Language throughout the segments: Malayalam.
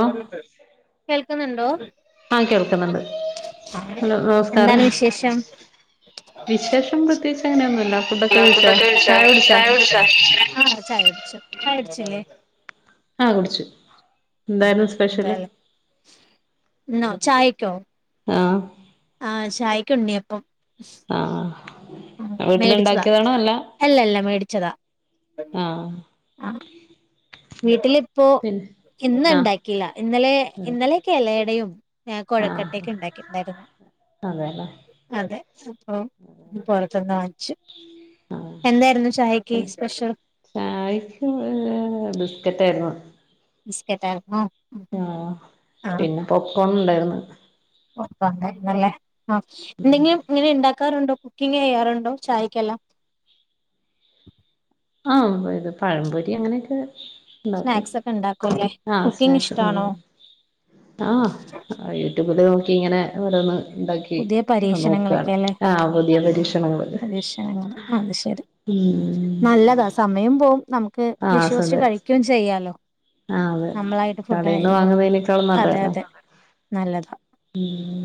ഹലോ കേൾക്കുന്ന്ണ്ടോ? ആഹ് കേൾക്കുന്നുണ്ട് ഹലോ [unintelligible] നമസ്കാരം എന്താണ് വിശേഷം? വിശേഷം പ്രത്യേകിച്ച് അങ്ങനെയൊന്നുല്ല ഫുഡൊക്കെ ഹലോ കഴിച്ചാ ഫുഡൊകെ കഴിച്ചോ, കുടിച്ചാ ചായ കുടിച്ചോ? ആഹ് ചായ കുടി [unintelligible] ചായുടിച്ചില്ലേ? ആഹ് കുടിച്ചു. ആഹ് എന്തായിരുന്നു സ്പെഷ്യല് അതെല്ലേ. ഇന്നോ ചായക്കോ? ആഹ്. ആഹ് ചായയ്ക്ക് ഉണ്ണിയപ്പം. ആഹ്. ആഹ് മേടിച്ചതാ വീട്ടിലുണ്ടാക്കിയതാണോ അല്ല അല്ലല്ല മേടിച്ചതാ ആഹ് ആഹ്. വീട്ടിലിപ്പോ പിന്നെ ഇന്ന് ആഹ് ഇണ്ടാക്കില്ല. ഇന്നലെ അതെ ഇന്നലെക്കെ എലയടയും ഏഹ് ആഹ് കൊഴക്കട്ടേക്ക ഇണ്ടാക്കീട്ട്ണ്ടായിരുന്നു. അതെല്ലേ. അതെ അപ്പം ഇന്ന് പൊറത്തുന്ന് വാങ്ങിച്ചു. ആഹ് എന്തായിരുന്നു ചായയ്ക്ക് പിന്നെ സ്പെഷ്യൽ? ചായക്ക് ഏഹ് ബിസ്ക്കറ്റായിരുന്നു. ബിസ്കറ്റായ്ര്ന്നോ? ആഹ്. പിന്നെ പോപ്കോൺ ഉണ്ടായിരുന്ന്. പോപ് കോൺ ഇണ്ടായ്ര്ന്നല്ലേ. ആഹ് എന്തെങ്കിലും ഇങ്ങനെ ഇണ്ടാക്കാറുണ്ടോ കുക്കിംങ്ങെയ്യാറുണ്ടോ ചായയ്ക്കെല്ലാം? ആഹ് ഇത് പഴംപൊരി അങ്ങനെയൊക്കെ ഉണ്ടാക്കും ആഹ് സ്നാക്സ് ആഹ് ആഹ് യൂട്യൂബിൽ നോക്കി ഇങ്ങനെ ഓരോന്ന് ഉണ്ടാക്കി പുതിയ പരീക്ഷണങ്ങളൊക്കെ അല്ലേ പരീക്ഷണങ്ങള് പരീക്ഷണങ്ങൾ അത് ശെരി ഉം നല്ലതാ സമയം പോവും നമുക്ക് ആഹ് അസ് വിശ്വസിച്ച് അതെ കഴിക്കയും ചെയ്യാലോ ആഹ് അതെ നമ്മളായിട്ട് ഫുഡ് കടേന്ന് കഴിയുമ്പോ വാങ്ങുന്നതിനേക്കാളും അതെ അതെ നല്ലതാ ഉം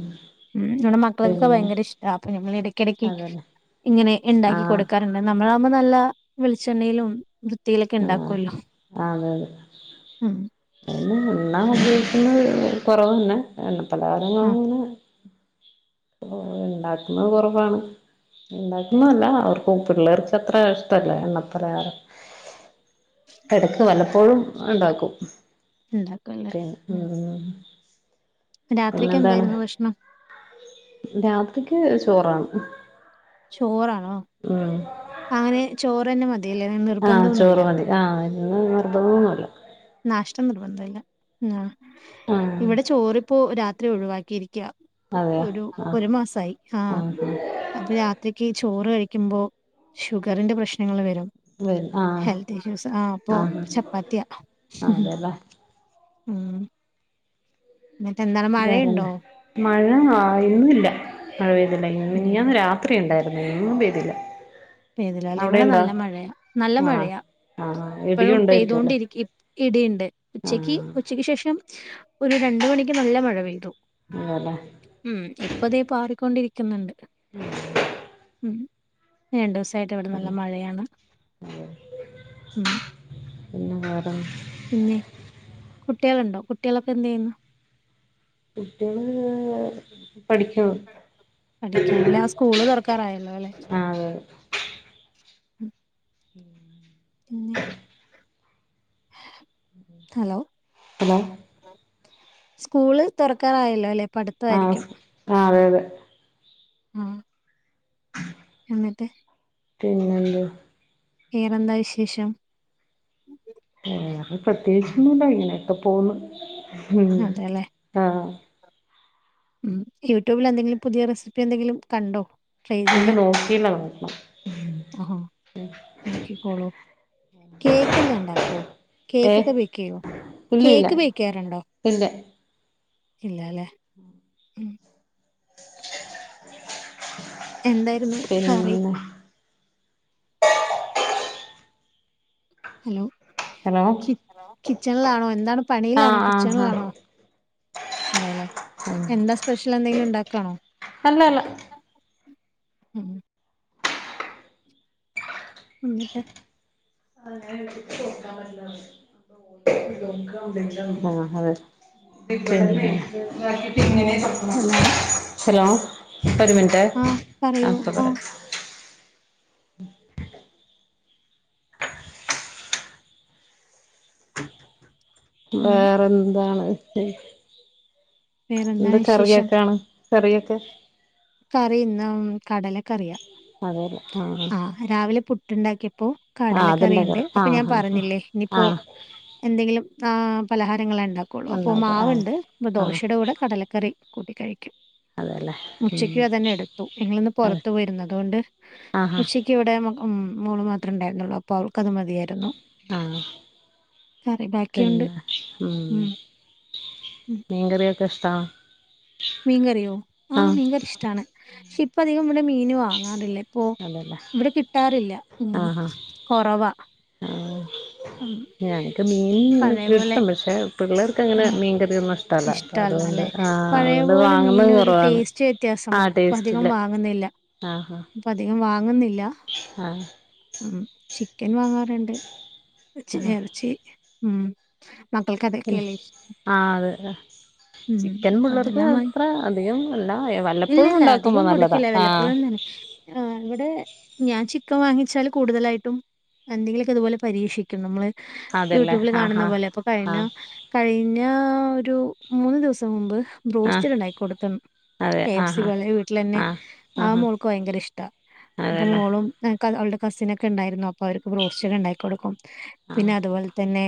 ഉം നമ്മുടെ മക്കൾക്കൊക്കെ ഭയങ്കര ഇഷ്ട അപ്പൊ ഞമ്മൾ ഇടക്കിടയ്ക്ക് അതന്നെ ഇങ്ങനെ ഉണ്ടാക്കി ആഹ് കൊടുക്കാൻ ണ്ട് നമ്മളാകുമ്പോ നല്ല വളിച്ചെണ്ണയിലും വൃത്തിയിലൊക്കെ ആഹ് ഉണ്ടാക്കുമല്ലോ അതെ അതെ ഉം എന്ന എണ്ണാ ഉപയോഗിക്കുന്നത് കുറവന്നെ എണ്ണ പലഹാരങ്ങൾ അങ്ങനെ ഉണ്ടാക്കുന്നത് കുറവാണ് ഉണ്ടാക്കുന്നതല്ല അവർക്കും പിള്ളേർക്ക് അത്ര ഇഷ്ടല്ല എണ്ണ പലഹാരം എടക്ക് വല്ലപ്പോഴും ഉണ്ടാക്കും പി രാത്രിക്കെ എന്തായിരുന്നു ഭക്ഷണം രാത്രിക്ക് ചോറാണ് ചോറാണോ ഉം അങ്ങനെ ചോറ് തന്നെ മതിയല്ലേ അ ആഹ് ചോറ് നിർബന്ധൊന്നുല്ല മതി ആഹ് ഇന്ന നിർബന്ധന്നുല്ല നാഷ്ട നിർബന്ധ ഇല്ല ആഹ് ആഹ് ഇവിടെ ചോറിപ്പോ രാത്രി ഒഴിവാക്കിയിരിക്ക അതെയോ ഒരു ആഹ് ഒരു മാസായി ആഹ് അപ്പൊ രാത്രിക്ക് ചോറ് കഴിക്കുമ്പോ ഷുഗറിന്റെ പ്രശ്നങ്ങൾ വരും ആഹ് ഹെൽത്ത് ഇഷ്യൂസ് ആഹ് അപ്പൊ ചപ്പാത്തിയാ ആഹ് അതെല്ല ഉം ന്നിട്ട എന്താണ് മഴയുണ്ടോ? വേറെന്താ മഴ ആഹ് ഇന്നില്ല മഴ പെയ്തില്ല മിഞ്ഞാണ് രാ ത്രി ഉണ്ടായിരുന്നു ഇന്നൊന്നും പെയ്തില്ല. പെയ്തിലാല ഇവിടെ അവിടെയുണ്ടോ നല്ല മഴയാ നല്ല ആണോ മഴയാ ആഹ് ഇടിയും ഇപ്പഴും ഉണ്ടായിരിക്കും അല്ലേ പെയ്തൊണ്ടിരി ഇടീണ്ട് ഉച്ചക്ക് ആഹ് ഉച്ചയ്ക്ക് ശേഷം ഒരു രണ്ട് മണിക്ക് നല്ല മഴ പെയ്തു. ല്ലെ ഉം ഇപ്പതേ പാറിക്കൊണ്ടിരിക്കുന്നുണ്ട്. [unintelligible] രണ്ടുസായിട്ട് ഇവിടെ നല്ല മഴയാണ് ഉം പിന്നെ വേറ? പിന്നെ കുട്ടികളുണ്ടോ കുട്ടികളൊക്കെ എന്ത് ചെയ്യുന്നു? കുട്ടിയള് പഠിക്കണല്ലേ ആഹ് സ്കൂള് തുറക്കാറായല്ലോല്ലെ? ആഹ് [unintelligible] പിന്നെ ഹലോ അതെ ഹലോ സ്കൂള് തുറക്കാറായല്ലോല്ലെ പ ആഹ് ആഹ് അതെ അതെ ആഹ് എന്നിട്ട് പിന്നെന്തുവ വേറെന്താ വിശേഷം വേറെ പ്രത്യേകിച്ചൊന്നുംല്ല ഇങ്ങനെയൊക്കെ പോവുന്നു ആഹ് ഉം യൂട്യൂബിൽ എന്തെങ്കിലും പുതിയ റെസിപ്പി എന്തെങ്കിലും കണ്ടോ ട്രൈ ഇല്ല ചെയ്യാൻ നോക്കിയില്ല നോക്കണം ആഹ് നോക്കിക്കോളോ കേക്കല്ലാം ഉണ്ടാക്കൊ ഏഹ് കേക്കൊക്കെ ബേക്കയ്യോ ഇല്ല ഇല്ല കേക്ക് ബേക്ക്യ്യാറുണ്ടോ ഇല്ല ഇല്ലല്ലേ [inaudible] എന്തായിരുന്നു കറി പിന്നെ ഹലോ ഹലോ കിച്ചണിലാണോ എന്താണ് പണിയിലാണോ ആഹ് ആഹ് ആഹ് കിച്ചണിലാണോ അതേല്ലെ ആഹ് എന്താ സ്പെഷ്യൽ എന്തെങ്കിലും ഉണ്ടാക്കാണോ അല്ല അല്ല ഉം എന്നിട്ട് [unintelligible] ആഹ് അതെ [unintelligible] ഹലോ ഒരു മിൻ ട്ടെ [unintelligible] വേറെ എന്താണ് എന്ത കറിയൊക്കാണ് കറിയൊക്കെ കറി ഇന്ന് കടല കറിയാ ആഹ് രാവിലെ പുട്ട്ണ്ടാക്കിയപ്പോ ആഹ് അതിന്റെ കടലക്കറിയുണ്ട് കറി അപ്പൊ ആഹ് ഞാൻ പറഞ്ഞില്ലേ ഇനിപ്പോ ആഹ് ആഹ് എന്തെങ്കിലും ആഹ് പലഹാരങ്ങള ഉണ്ടാക്കുള്ളൂ അപ്പൊ ഉണ്ടാക്കും ആഹ് മാവുണ്ട് ആഹ് ദോശയുടെ കൂടെ കടലക്കറി കൂട്ടി കഴിക്കും അതല്ലേ ഉച്ചയ്ക്കും അതന്നെ എടുത്തു ഞങ്ങളിന്ന് പുറത്ത് പോയ്രുന്നു അതുകൊണ്ട് ആഹാ ഉച്ചക് ക്ക്‌ ഇവിടെ മോള് മാത്രണ്ടായിരുന്നുള്ളൂ അപ്പോഅവൾക്കത് മതിയാ രുന്നു ആഹ് കറി ബാക്കിയുണ്ട് ഉം മീങ്കറിയൊക്കിഷ്ടാ മീൻകറിയോ ആഹ് മീൻകറി ഇഷ്ടാണ് പക്ഷെ ഇപ്പ അധികം ഇവിടെ മീന് വാങ്ങാറില്ല പ്പൊ അതല്ലേ ഇവിട കിട്ടാറില്ല ഉം ആഹാ കൊറവാ ആഹ് ഉം ഞങ്ങക്ക് മീൻ ഇവിടെ കിട്ടും പക്ഷെ പിള്ളേർക് എനിക്കങ്ങനെ മീൻകറിയൊന്നും ഇഷ്ടല്ല അപ്പ അതുകൊണ്ട് ആഹ് അതുകൊണ്ട് വാങ്ങുന്നതു കൊറവാണ്. ച്ചി വ്യത്യാസം [unintelligible] വാങ്ങുന്നില്ല. ആഹ് ആഹ് ഇപ്പധികം വാങ്ങുന്നിൽ ആഹ് ഉം ചിക്കൻ വാങ്ങാറുണ്ട് എറച്ചി ആഹ് ഇറച്ചി ഉം മക്കൾക്കതെ ക്കല്ലേ ആഹ് അതെ ചിക്കൻ പിള്ളേർക്ക് അത്ര അധികം അല്ല വല്ലപ്പോഴുണ്ടാക്കുമ്പോ നല്ലതാ ആഹ് ആഹ് ഇവിടെ ഞാൻ ചിക്കൻ വാങ്ങിച്ചാൽ കൂടുതലായിട്ടും എന്തെങ്കിലൊക്കെ ഇതുപോലെ പരീഷിക് ക്കും നമ്മള് അതെല്ലേ യൂട്യൂബില് കാണുന്ന ആഹ് പോലെ അപ്പ കഴിഞ്ഞ ആഹ് കഴിഞ്ഞ ഒരു മൂന്ന് ദിവസം മുമ്പ് ആഹ് ആഹ് ബ്രോസ്റ്റഡ് ഇണ്ടാക്കി കൊടുത്തെൻ അതെ ആഹ് കെഎഫ്സിപോലെ വീട്ടിലന്നെ ആഹ് ആ ആഹ് ആഹ് മോൾക്ക് വയങ്കര ഇഷ്ടാ അപ്പൊ അതെല്ലേ മോളും [unintelligible] അവൾടെ കസിനെക്കെ ഇണ്ടായിരുന്നു അപ്പൊ അവര്ക്ക് ബ്രോസ്റ്റഡ് ഇണ്ടാക്കി കൊടുക്കും പിന്നെ ആഹ് അതുപോലെ തന്നെ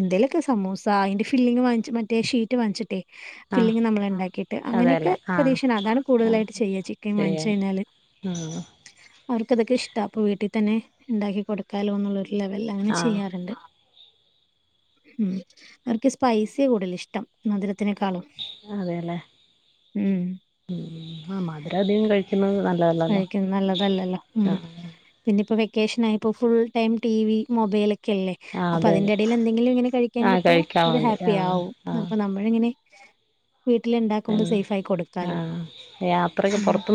എന്തേലൊക്ക സമൂസ അതിന്റെ ഫില്ലിങ് വാങ്ങിച്ച് മറ്റേ ഷീറ്റ് വാങ്ങിച്ചിട്ടെ ആഹ് ഫില്ലിങ് നമ്മള്ണ്ടാക്കിയിട്ട് അങ്ങനെയൊക്കെ അതെല്ലേ ആഹ് പരീക്ഷണം അതാണ് കൂടുതലായിട്ട് ചെയ്യ ചിക്കൻ വാങ്ങിച്ച് കഴിഞ്ഞാല് ഉം അവർക്കതക്കെ ഇഷ്ടാ അപ്പൊ വീട്ടി തന്നെ ഇണ്ടാക്കി കൊടുക്കാലോ എന്നുള്ളൊരു ലെവല്ലങ്ങനെ ആഹ് ചെയ്യാറ്ണ്ട് ഉം അവർക്ക് സ്പൈസിയാ കൂടുതലിഷ്ടം മധുരത്തിനേക്കാളും അതെല്ലേ ഉം ആഹ് മധുരധികം കഴിക്കുന്നത് നല്ലതല്ല. കഴിക്കുന്ന നല്ലതല്ലല്ലാ ഉം പിന്നെ ഇപ്പോ വെക്കേഷനായപ്പോ full time T V mobile ക്കല്ലേ ആഹ് അതെ അതെ അപ്പതിന്റെടയിലെന്തെങ്കിലും ഇങ്ങനെ കഴിക്കാൻ ആഹ് കിട്ടിയാ കഴിക്കാൻ ഓര് വേണ്ടി ആഹ് ഹാപ്പിയാകും ആഹ് അപ്പ നമ്മ ഇങ്ങനെ വീട്ടില്ണ്ടാക്കുമ്പോ സെയ്ഫായി കൊടുക്കാലോ ആഹ് യാത്രക്ക് ഉം [unintelligible]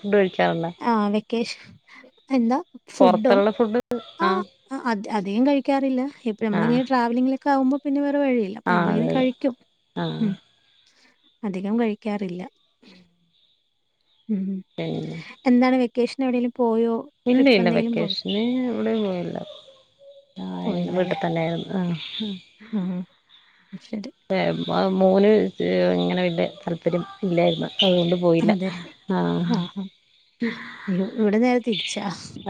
ഫുഡ് കഴിച്ചാണല്ലേ ആഹ് വെക്കേഷ് എന്താ ഫുഡോ പുറത്തുള്ള ഫുഡ് ആഹ് അധ് അധികം കഴിക്കാറില്ല ഇപ്പൊഴ് ആഹ് നമ്മളിങ്ങനെ ട്രാവലിങ്ങിലക്കെ ആവുമ്പോ പിന്നെ വേറെ വഴിയി അപ്പ ആഹ് ഞമ്മളിങ്ങനെ അതെ അതെ കഴിക്കും ആഹ് ഉം അധികം കഴിക്കാറില്ല. ഉം ഏഹ് എന്താണ് വെക്കേഷനെവിടേലും പോയോ. ഇല്ല ഇല്ല വെക്കേഷന് എവിടേം പോയില്ല ആയ് വീട്ട്തന്നേര്ന്നു. ആഹ് ഉം ഉം ഉം അത് ശരി. [unintelligible] അത് മോന് ഇഹ് അങ്ങനെ വല്ല്യ താല്പര്യം ഇല്ലായിരുന്നു അതുകൊണ്ട് പോയില്ല ആഹ് അയ്യോ ഇവിടെ നേരെ തിരിച്ചാ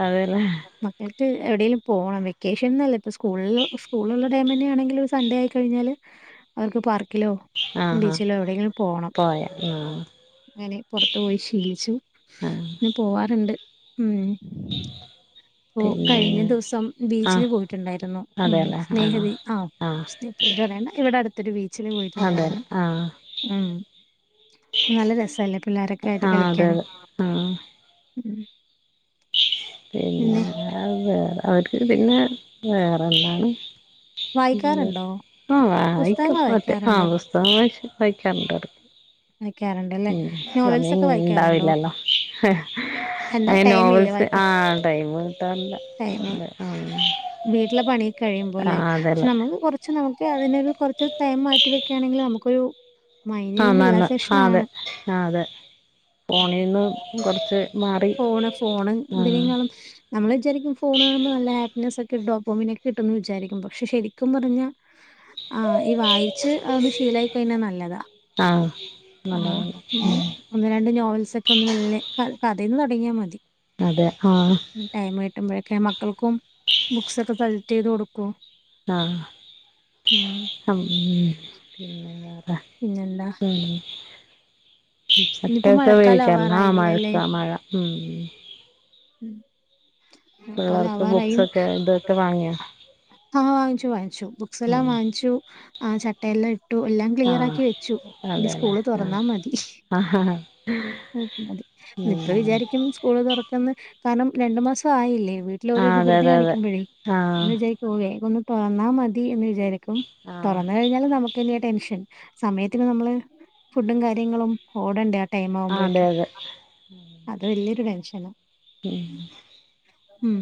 അതേല്ലേ [unintelligible] ക്ക് എവിടെേലും പോണം വെക്കേഷൻന്നല്ല ഇപ്പ സ്കൂള് സ്കൂള് ഇള്ള ടൈമന്നെയാണെങ്കിലും ഒരു സൺഡേ ആയിക്കഴിഞ്ഞാല് അവർക്ക് പാർക്കിലോ ആഹ് ആഹ് ബീച്ചിലോ എവടെയെങ്കിലും പോണം പോയാ ഉം അങ്ങനെ പൊറത്തു പോയി ശീലിച്ചു ആഹ് ഞാൻ പോവാറ്ണ്ട് ഉം. ഇപ്പൊ പിന്നെ കഴിഞ്ഞ ദിവസം ബീച്ചില് ആഹ് പോയിട്ട്ണ്ടായിരുന്നു ഉം അതെല്ലേ ആഹ് സ്നേഹതി ആം ആഹ് സ്നേ പേര് പറയണ്ട ഇവടെ അടുത്തൊരു ബീച്ചില് അതെ പോയിട്ടുണ്ടായിരുന്നു. ആഹ് ഉം. നല്ല രസല്ലേ പിള്ളാരൊക്കായിട്ട് ആഹ് അതെ കളിക്കാനും ഉം. പിന്നെ [unintelligible] വേറെ അവർക്ക് പിന്നെ വേറെന്താണ് വായിക്കാറ്ണ്ടോ? ആഹ് വായിക്കും അതെ ആ പുസ്തകം വേട്ച്ച് വായിക്കാറ്ണ്ടത് ഉം സമയം ഇണ്ടാവില്ലല്ലോ അത് നോവൽസ് ആഹ് ടൈമ് കിട്ടാറില്ല അതെ ആഹ് വീട്ടിലെ പണിയൊക്കെ കഴിയുമ്പോലെ? പക്ഷെ നമുക്ക് കൊറ ച്ച് നമുക്ക് അതിനൊരു കൊറച്ച് ടൈമ് മാറ്റിവെക്കാണെങ്കില് നമുക്കൊരു ആന്ന് ആന്ന് അതെ ആഹ് അതെ. ഫോണീന്ന് കൊർച്ച് ഫോണ് ഫോണ് എന്തിനേക്കാളും നമ്മള് വിചാരിക്കും ഫോണ് കാണുമ്പോ നല്ല ഹാപ്പിനെസൊക്കെ [unintelligible] എനിക്ക് കിട്ടുന്ന് വിചാരിക്കും പക്ഷെ ശരിക്കും പറഞ്ഞാ ആഹ് ഈ വായിച്ച് അതൊന്ന് ശീലായി കഴിഞ്ഞാ നല്ലതാ. നല്ലതാത് അതെ ഒന്ന് രണ്ട് നോവൽസൊക്കെ ഒന്ന് മെല്ലെ ക കഥേന്ന് തൊടങ്ങിയാ മതി. അതെ ആഹ് ടൈമ് കിട്ടുമ്പോഴൊക്കെ മക്കൾക്കും ബുക്സൊക്കെ സെൽക്ടയ്ത് കൊടുക്കും. ആഹ് അങ്ങനെ പിന്നെ വേറെ പിന്നെന്താ ഉം [unintelligible] ആഹ്‌ മഴത്താ മഴ ഉം. ഉം പിള്ളേർക്ക് ബുക്സൊക്കെ ഇതൊക്കെ വാങ്ങിയോ ആഹ് വാങ്ങിച്ചു വാങ്ങിച്ചു ബുക്സെല്ലാം വാങ്ങിച്ചു. ആ ചട്ടയെല്ലാം ഇട്ടു എല്ലാം ആഹ് ക്ലിയറാക്കി വെച്ചു ഇനി അതെല്ലേ സ്കൂള് തൊറന്നാ മതി. ആഹ് ആഹ് ആഹ് ഉം അതെ ഇപ്പ ഉം വിചാരിക്കും സ്കൂള് തൊറ ക്കെന്ന് കാരണം രണ്ടു മാസം ആയില്ലേ വീട്ട്ലോരോ ആഹ് അതെ വികൃതി അതെ അതെ കാണിക്കുമ്പഴേ ആഹ് അങ്ങ് വിചാ പോവേ വേഗം ഒന്ന് തൊറന്നാ മതി എന്ന് വിചാരിക്കും. ആഹ് തൊറന്ന് കഴിഞ്ഞാല് നമു ക്ക് തന്നെയാ ടെൻഷൻ. സമയത്തിന് നമ്മള് ഫുഡും കാര്യങ്ങളും ഓടണ്ടേ ആഹ് അതെ ടൈമാവുമ്പഴേക്കും അതെ ആഹ് അത് വല്ല്യോരു ടെൻഷനാ ഉം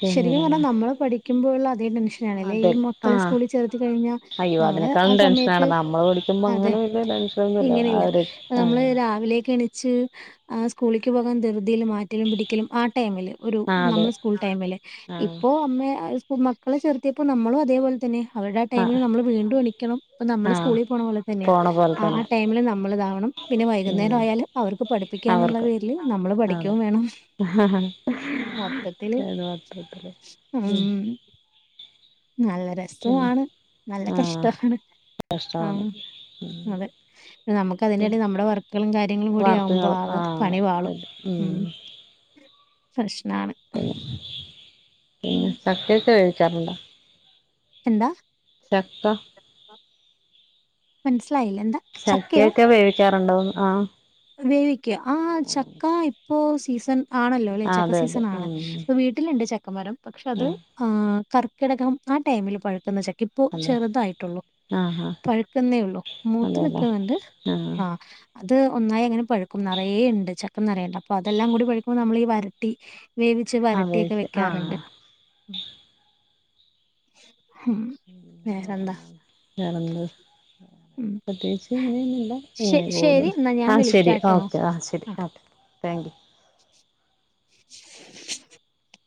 പിന്നെ ശരിക്കും പറഞ്ഞ നമ്മള് പഠിക്കുമ്പോഴുള്ള അതേ ടെൻ ഷനാണല്ലേ ഈ അതെ മക്കളെ ആഹ് സ്കൂളിൽ ചേർത്തി കഴിഞ്ഞാ അയ്യോ നമ്മള് അതിനേക്കാളും ആ ടെൻഷനാണ് സമയത്ത് നമ്മള് പഠിക്കുമ്പോ അതെ അങ്ങനെ വലിയ ടെൻഷനൊന്നുല്ല ഇങ്ങനെ ആ ഇല്ല ഒരു ഇപ്പ നമ്മള് ആഹ് രാവിലെ ഒക്കെ എണീച്ച് ആഹ് സ്കൂളിക്ക് പോകാൻ ദൃതിയില് മാ റ്റലും പിടിക്കലും ആ ടൈമില് ഒരു നമ്മളെ ആഹ് സ്കൂൾ ടൈമില്. ആഹ് ഇപ്പോ അമ്മയേ ഇപ്പൊ മക്കളെ ചേർത്തിയപ്പോ നമ്മളും അതേപോലെ തന്നെ അവരുടെ ആ ടൈമില് ആഹ് നമ്മള് വീണ്ടും എണീക്കണം. ഇപ്പ നമ്മള് ആഹ് സ്കൂളി പോണ പോലെ തന്നെയാ പോണ പോലെ അ ആ തന്നെ ടൈമില് നമ്മളിതാവണം. പിന്നെ വൈകുന്നേരം ഉം ആയാല് അവർക്ക് പഠിപ്പിക്കാന്ന്ള്ള പേരില് ആഹ് നമ്മള് പഠിക്കോം വേണം. അത് മൊത്തത്തില് ഉം നല്ല രസൊവാണ് നല്ല കഷ്ടോ ആണ്. രസമാണ് അതെ. പിന്നെ നമുക്ക് അതിന്റെടീ നമ്മുടെ വർക്ക്കളും കാര്യങ്ങളും കൂടി ആകുമ്പോ വാർത്തകൾ അകെ ആഹ് പണി പാളും. ഉം. പ്രശ്നാണ് പിന്നെ പിന്നെ ചക്കയൊക്കെ വേവിക്കാറുണ്ടോ എന്താ ചക്ക മനസ്സിലായില്ല എന്താ ചക്കയൊക്കെ വേവിക്കാറുണ്ടോന്ന് ആഹ് വേവിക്കേ ആഹ് ചക്ക ഇപ്പോ സീസൺ ആണല്ലോല്ലേ ആഹ് ചക്ക അതെ അതെ സീസനാണ് ഉം അപ്പൊ വീട്ടിലുണ്ട് ചക്ക മരം പക്ഷെ അത് ഉം ആ കർക്കിടകം ആ ടൈമിൽ പഴുക്കുന്ന ചക്ക ഇപ്പൊ അതെ ചെറുതായിട്ടുള്ളു ആഹ് ആഹ് പഴുക്കുന്നേ ള്ളു മൂത്ത് അതെല്ലേ നിക്കുന്നുണ്ട് ആഹ് അത് ഒന്നായി അങ്ങനെ പഴുക്കും നിറയേണ്ട് ചക്ക നിറയേ ഉണ്ട് അപ്പോ അതെല്ലാം കൂടി പഴുക്കുമ്പോൾ നമ്മൾ ഈ വര ട്ടി വേവിച്ച് ആഹ് വരട്ടിയൊക്കെ വേവിച്ച് ആഹ് വെക്കാറുണ്ട് ഹം വേറെന്താണ് വേറന്ത് പ്രത്യേകിച്ച് ങ്ങനെയൊന്നുല്ല ഇങ്ങനെ പോകുന്നു ആഹ് ശെരി ഓക്കെ, ആഹ് ശെരി, ആഹ് താങ്ക്യു, [inaudible]